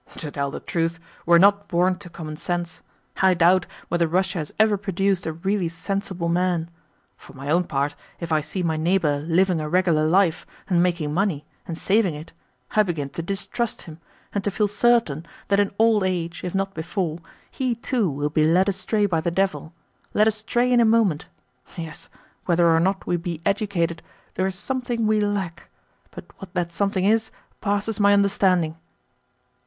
"To tell the truth, we are not born to common sense. I doubt whether Russia has ever produced a really sensible man. For my own part, if I see my neighbour living a regular life, and making money, and saving it, I begin to distrust him, and to feel certain that in old age, if not before, he too will be led astray by the devil led astray in a moment. Yes, whether or not we be educated, there is something we lack. But what that something is passes my understanding."